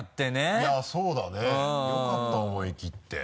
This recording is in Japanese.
いやそうだねよかった思い切って。